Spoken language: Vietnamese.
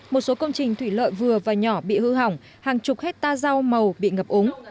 một số công trình thủy lợi vừa và nhỏ bị hư hỏng hàng chục hectare rau màu bị ngập úng